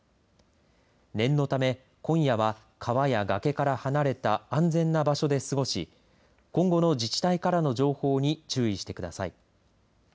念のため今夜は川や崖から離れた安全な場所で過ごし今後の自治体からの情報に注意してください。